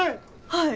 はい。